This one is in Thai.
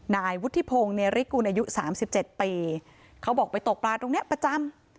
นายวุฒิพงศ์เนริกุณายุ๓๗ปีเขาบอกไปตกปลาตรงนี้ประจำ